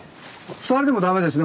２人でも駄目ですね